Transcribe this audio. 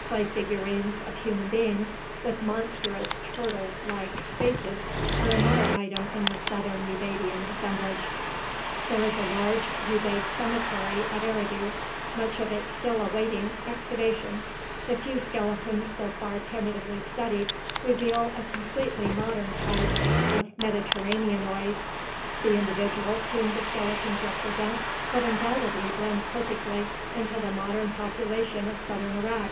Clay figurines of human beings with monstrous turtle like faces are another item in the southern Ubaidian assemblage. [Illustration: SKETCH OF SELECTED ITEMS OF UBAIDIAN ASSEMBLAGE] There is a large Ubaid cemetery at Eridu, much of it still awaiting excavation. The few skeletons so far tentatively studied reveal a completely modern type of "Mediterraneanoid"; the individuals whom the skeletons represent would undoubtedly blend perfectly into the modern population of southern Iraq.